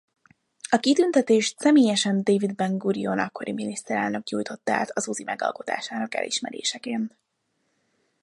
A kitüntetést személyesen David Ben-Gurion akkori miniszterelnök nyújtotta át az Uzi megalkotásának elismeréseként.